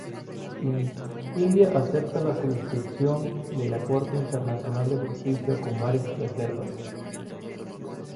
India acepta la jurisdicción de la Corte Internacional de Justicia con varias reservas.